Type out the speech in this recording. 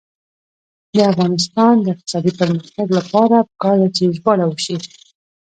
د افغانستان د اقتصادي پرمختګ لپاره پکار ده چې ژباړه وشي.